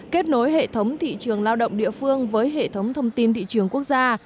kết nối hệ thống thị trường lao động địa phương với hệ thống thông tin thị trường quốc gia